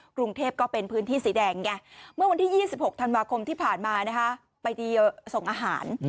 กรุงเทพก็เป็นพื้นที่สีแดงไงเมื่อวันที่๒๖ธันวาคมที่ผ่านมานะคะไปส่งอาหาร